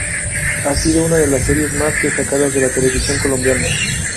Ha sido una de las series más destacadas de la televisión colombiana.